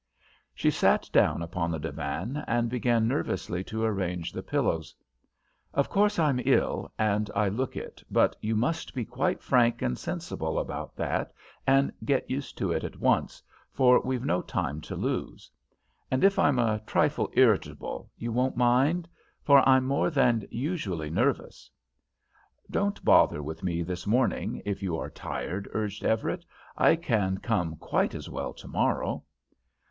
She sat down upon the divan and began nervously to arrange the pillows. "Of course I'm ill, and I look it, but you must be quite frank and sensible about that and get used to it at once, for we've no time to lose. And if I'm a trifle irritable you won't mind? for I'm more than usually nervous." "Don't bother with me this morning, if you are tired," urged Everett. "I can come quite as well tomorrow."